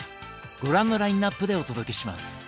ご覧のラインナップでお届けします。